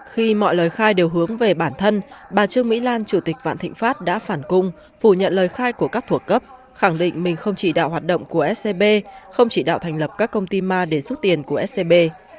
khi mọi lời khai đều hướng về bản thân bà trương mỹ lan chủ tịch vạn thịnh pháp đã phản cung phủ nhận lời khai của các thủ cấp khẳng định mình không chỉ đạo hoạt động của scb không chỉ đạo thành lập các công ty ma để rút tiền của scb